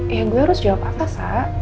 ya gue harus jawab apa sa